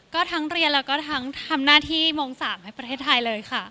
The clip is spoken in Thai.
ก็ทั้งเรียนแล้วก็ทั้งทำหน้าที่ม๓ให้ประเทศไทยเลยค่ะ